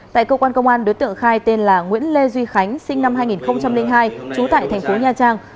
tại cơ quan công an đối tượng khai tên là nguyễn lê duy khánh sinh năm hai nghìn hai trú tại thành phố nha trang